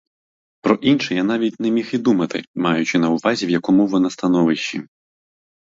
Про інше я навіть не міг думати, маючи на увазі, в якому вона становищі.